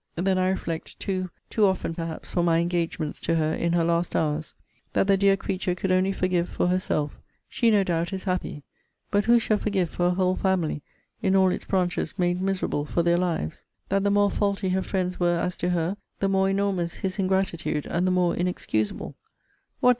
Then I reflect, too, too often perhaps for my engagements to her in her last hours, that the dear creature could only forgive for herself. She, no doubt, is happy: but who shall forgive for a whole family, in all its branches made miserable for their lives? That the more faulty her friends were as to her, the more enormous his ingratitude, and the more inexcusable What!